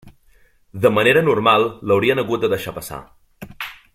De manera normal l'haurien hagut de deixar passar.